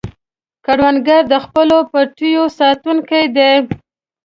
کروندګر د خپلو پټیو ساتونکی دی